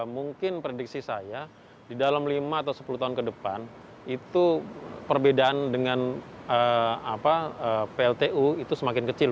mungkin prediksi saya di dalam lima atau sepuluh tahun ke depan itu perbedaan dengan pltu itu semakin kecil